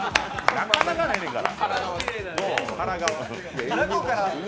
なかなかないねんから、腹側。